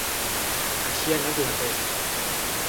Així ha anat la cosa.